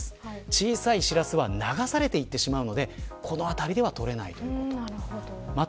小さいシラスは流されていってしまうのでこの辺りでは捕れないということです。